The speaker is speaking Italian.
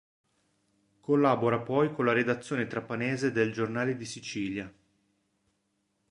Collabora poi con la redazione trapanese del "Giornale di Sicilia".